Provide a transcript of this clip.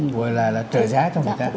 gọi là trợ giá cho người ta